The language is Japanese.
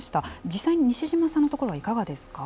実際に西嶋さんのところはいかがですか。